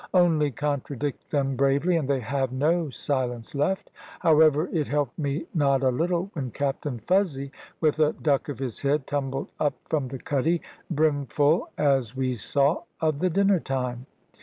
Only contradict them bravely, and they have no silence left." However, it helped me not a little when Captain Fuzzy, with a duck of his head, tumbled up from the cuddy, brimful, as we saw, of the dinner time.